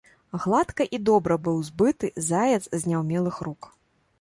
Гладка і добра быў збыты заяц з няўмелых рук.